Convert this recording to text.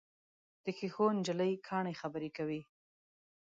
د ښیښو نجلۍ کاڼي خبرې کوي.